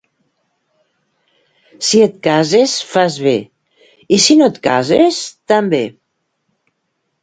Si et cases, fas bé, i si no et cases, també.